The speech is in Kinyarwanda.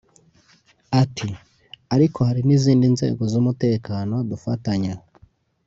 Ati “Ariko hari n’izindi nzego z’umutekano dufatanya